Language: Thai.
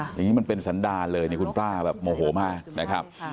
อย่างนี้มันเป็นสันดารเลยเนี่ยคุณป้าแบบโมโหมากนะครับ